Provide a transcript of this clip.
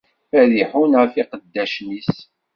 Ad iḥunn ɣef iqeddacen-is.